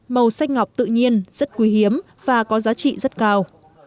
màu xanh ngọc tự nhiên rất quý hiếm và có giá trị rất cao